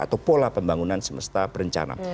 atau pola pembangunan semesta berencana